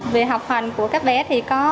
về học hành của các bé thì có